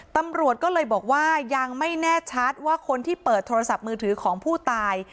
ตำรวจก็เลยบอกว่ายังไม่แน่ชัดว่าคนที่เปิดโทรศัพท์มือถือของผู้ตาย